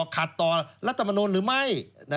ขัดต่อรัฐมนุนหรือไม่